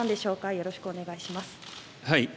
よろしくお願いします。